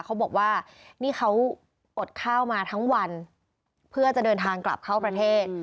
เขาบอกว่านี่เขาอดข้าวมาทั้งวันเพื่อจะเดินทางกลับเข้าประเทศ